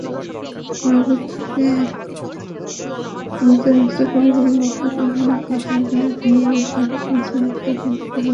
পরবর্তীতে এমদাদুলের পরিবার মুক্তিপণ হিসেবে সাড়ে পাঁচ লাখ টাকা দিতে রাজি হয়।